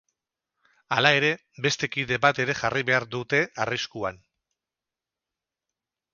Hala ere, beste kide bat ere jarri behar dute arriskuan.